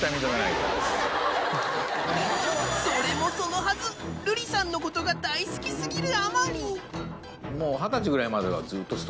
それもそのはずるりさんのことが大好き過ぎる